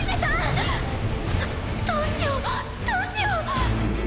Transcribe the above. どどうしようどうしよう。